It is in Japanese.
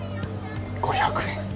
５００円？